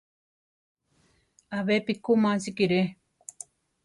Abepi ku másikere.